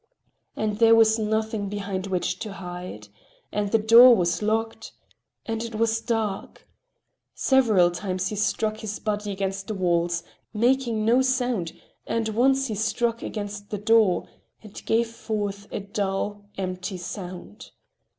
And there was nothing behind which to hide. And the door was locked. And it was dark. Several times he struck his body against the walls, making no sound, and once he struck against the door—it gave forth a dull, empty sound.